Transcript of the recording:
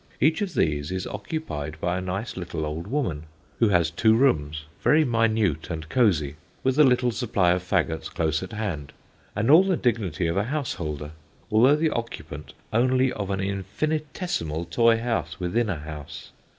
Each of these is occupied by a nice little old woman, who has two rooms, very minute and cosy, with a little supply of faggots close at hand, and all the dignity of a householder, although the occupant only of an infinitesimal toy house within a house.